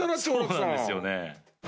そうなんですよね。